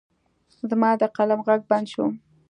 زما د قلم غږ بند شو.